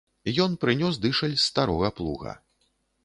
Ён прынёс дышаль з старога плуга.